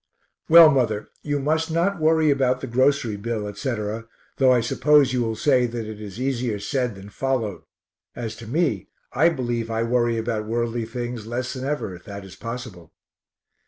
Well, mother, you must not worry about the grocery bill, etc., though I suppose you will say that it is easier said than followed (as to me, I believe I worry about worldly things less than ever, if that is possible).